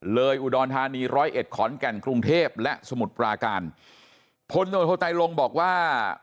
อุดรธานีร้อยเอ็ดขอนแก่นกรุงเทพและสมุทรปราการพลโนโทไตลงบอกว่า